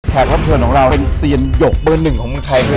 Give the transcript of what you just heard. รับเชิญของเราเป็นเซียนหยกเบอร์หนึ่งของเมืองไทยเลย